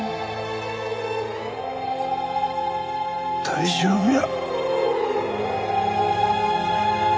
大丈夫や。